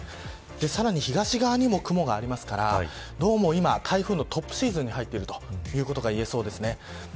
さらに東側にも雲がありますからどうも、今、台風のトップシーズンに入っていると予想されます。